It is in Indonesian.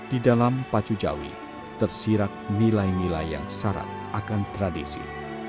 di dalam pacu jawi tersirat nilai nilai yang syarat akan tradisi